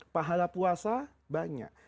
pahala puasa banyak